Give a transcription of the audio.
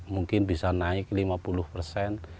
mungkin bisa naik lima puluh persen